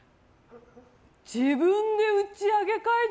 自分で打ち上げ会場